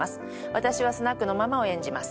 私はスナックのママを演じます